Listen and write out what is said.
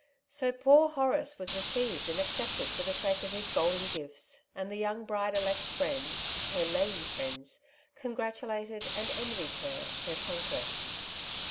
So "poor Horace ^^ was received and accepted for the sake of his golden gifts, and the young bride elect^s friends — ^her lady friends — con gratulated, and envied her her conquest.